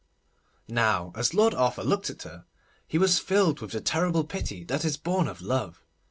Now as Lord Arthur looked at her, he was filled with the terrible pity that is born of love.